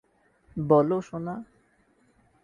বলো, সোনা।